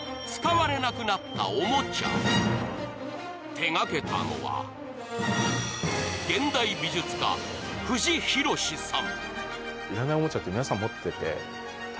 手がけたのは、現代美術家・藤浩志さん。